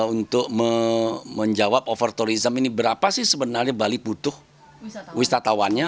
untuk menjawab overtourism ini berapa sih sebenarnya bali butuh wisatawannya